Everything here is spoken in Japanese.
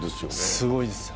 すごいです。